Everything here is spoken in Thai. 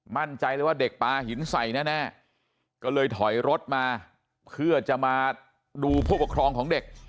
มั่นใจเลยว่าเด็กปลาหินใส่แน่ก็เลยถอยรถมาเพื่อจะมาดูผู้ปกครองของเด็ก